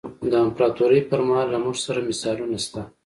د امپراتورۍ پرمهال له موږ سره مثالونه شته.